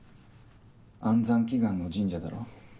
安産祈願の神社だろ。